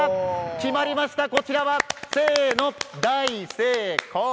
決まりました、こちらは、せーの、大成功！